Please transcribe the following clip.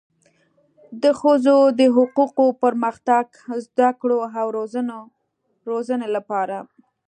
د ښځو د حقوقو، پرمختګ، زده کړو او روزنې لپاره